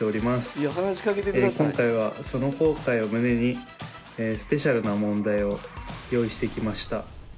今回はその後悔を胸にスペシャルな問題を用意してきました。